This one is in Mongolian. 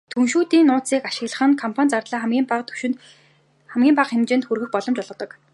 Түншүүдийн нууцыг ашиглах нь компани зардлаа хамгийн бага хэмжээнд хүргэх боломж олгодог.